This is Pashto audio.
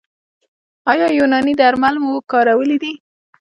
ایا یوناني درمل مو کارولي دي؟